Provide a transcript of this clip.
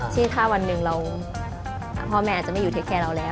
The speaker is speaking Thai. คือถ้าวันนึงพ่อแม่อาจไม่อยู่ความธรรมใดงอนแล้ว